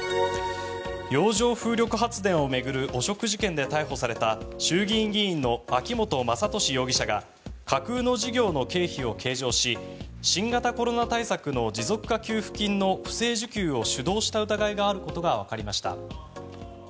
洋上風力発電を巡る汚職事件で逮捕された衆議院議員の秋本真利容疑者が架空の事業の経費を計上し新型コロナ対策の持続化給付金の不正受給を主導した疑いがあることがわかりました。